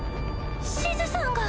シズさんが？